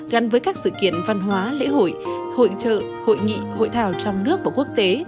gắn với các sự kiện văn hóa lễ hội hội trợ hội nghị hội thảo trong nước và quốc tế